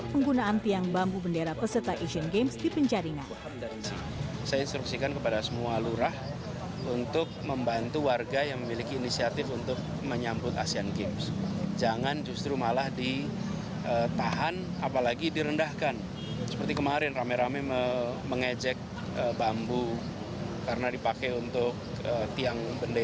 penggunaan tiang bambu bendera peserta asean games di penjaringan